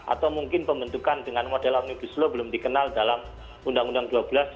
atau mungkin pembentukan dengan model omnibus law belum dikenal dalam undang undang dua belas dua ribu sembilan